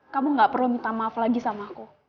kamu gak perlu minta maaf lagi sama aku